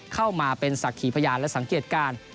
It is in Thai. เข้ามาเป็นสักขีพยานและสังเกตการณ์